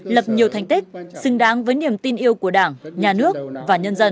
lập nhiều thành tích xứng đáng với niềm tin yêu của đảng nhà nước và nhân dân